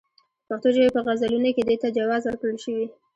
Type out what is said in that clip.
د پښتو ژبې په غزلونو کې دې ته جواز ورکړل شوی.